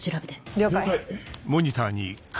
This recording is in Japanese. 了解。